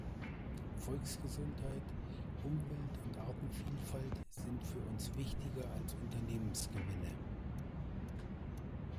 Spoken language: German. Volksgesundheit, Umwelt und Artenvielfalt sind für uns wichtiger als Unternehmensgewinne.